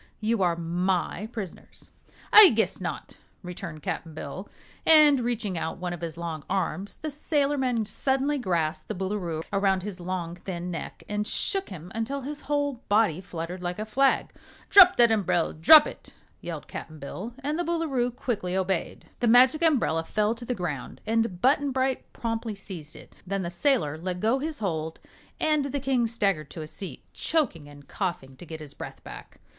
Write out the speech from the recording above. You are my prisoners." "I guess not," returned Cap'n Bill, and reaching out one of his long arms, the sailorman suddenly grasped the Boolooroo around his long, thin neck and shook him until his whole body fluttered like a flag. "Drop that umbrel drop it!" yelled Cap'n Bill, and the Boolooroo quickly obeyed. The Magic Umbrella fell to the ground and Button Bright promptly seized it. Then the sailor let go his hold and the King staggered to a seat, choking and coughing to get his breath back.